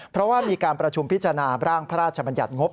เพราะว่ามีการประชุมพิจารณาร่างพระราชบัญญัติงบ